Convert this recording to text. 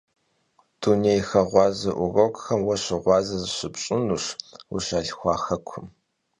Dunêyxeğuaze vurokxem vue şığuaze zışıpş'ınuş vuşalhxua xekum.